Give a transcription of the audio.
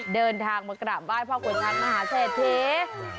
เดินทางมากรามว่าให้พ่อคุณนักมหาเศษผี